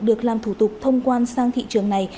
được làm thủ tục thông quan sang thị trường này